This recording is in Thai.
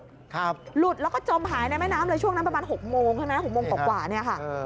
หลุดแล้วก็จมหายในแม่น้ำเลยช่วงนั้นประมาณหกโมงใช่ไหมหกโมงกว่ากว่าเนี่ยค่ะ